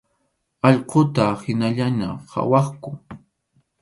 Allquta hinallaña qhawaqku.